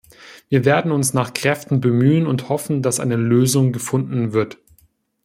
Wir werden uns nach Kräften bemühen und hoffen, dass eine Lösung gefunden wird.